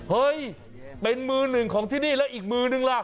เฮ้ยเป็นมือหนึ่งของที่นี่แล้วอีกมือนึงล่ะ